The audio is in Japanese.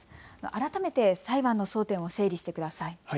改めて裁判の争点を整理してください。